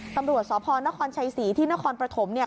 ตำรวจสอพรนครชัยศรีที่นครประถมเนี่ย